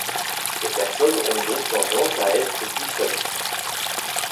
Ces personnes ont donc tendance à être plus seules.